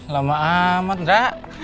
lama amat indra